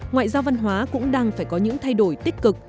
ngoại giao văn hóa cũng đang phải có những thay đổi tích cực